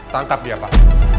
tangkap dia pak